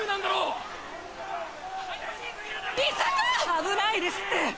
危ないですって！